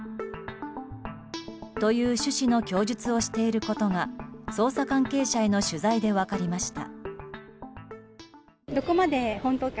という趣旨の供述をしていることが捜査関係者への取材で分かりました。